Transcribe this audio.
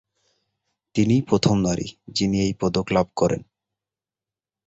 তিনিই প্রথম নারী, যিনি এই পদক লাভ করেন।